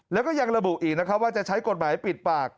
แล้วก็ยังระบุอีกนะครับว่าจะใช้กฎหมายปิดปาก